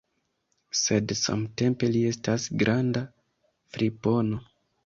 Sed samtempe li estas granda fripono!